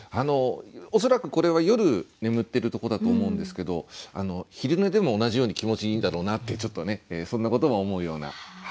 恐らくこれは夜眠ってるとこだと思うんですけど昼寝でも同じように気持ちいいんだろうなってちょっとねそんなことも思うような。